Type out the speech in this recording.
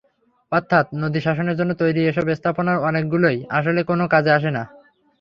অর্থাৎ নদীশাসনের জন্য তৈরি এসব স্থাপনার অনেকগুলোই আসলে কোনো কাজে আসে না।